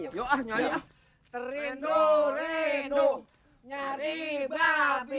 terlindung terlindung nyari babi